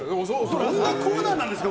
どんなコーナーですか？